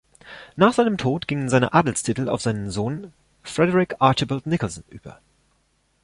Nach seinem Tod gingen seine Adelstitel auf seinen Sohn Frederick Archibald Nicolson über.